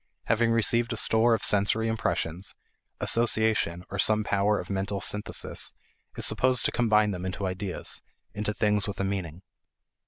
Having received a store of sensory impressions, association or some power of mental synthesis is supposed to combine them into ideas into things with a meaning.